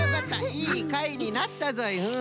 いいかいになったぞい。